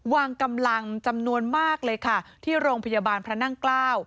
วางกำลังจำนวนมากเลยค่ะที่โรงพยาบาลพระนั่งเกล้า